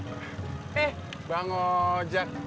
eh bang ojek